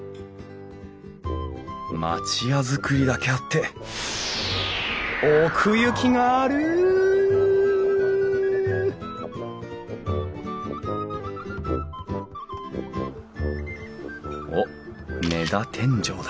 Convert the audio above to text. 町屋造りだけあって奥行きがあるおっ根太天井だ。